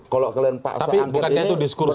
kalau kalian paksa angget ini berpotensi korupsi